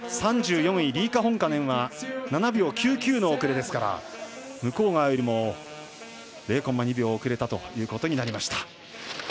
３４位、リーカ・ホンカネンは７秒９９の遅れですから向川よりも０コンマ２秒遅れたということになりました。